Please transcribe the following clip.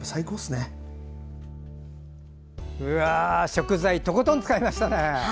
食材とことん使いましたね。